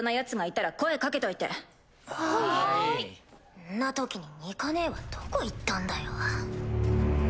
こんなときにニカねえはどこ行ったんだよ。